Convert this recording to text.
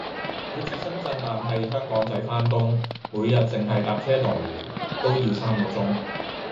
佢住深圳但喺香港仔返工，每日淨係搭車來回都要三個鐘